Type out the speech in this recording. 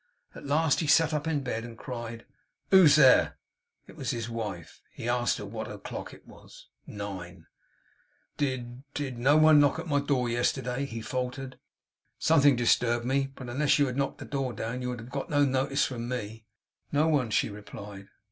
At last he sat up in his bed, and cried: 'Who's there?' It was his wife. He asked her what it was o'clock? Nine. 'Did did no one knock at my door yesterday?' he faltered. 'Something disturbed me; but unless you had knocked the door down, you would have got no notice from me.' 'No one,' she replied.